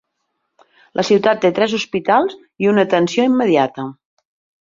La ciutat té tres hospitals i una atenció immediata.